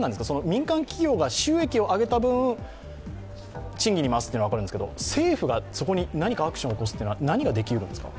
民間企業が収益を上げた分、賃金に回すというのは分かるんですが政府がそこに何かアクションを起こすというのは、何ができうるんですか。